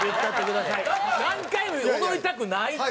何回も言う「踊りたくない」って。